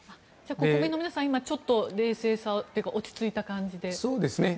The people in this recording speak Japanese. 国民の皆さんはちょっと冷静さというか落ち着いた感じで。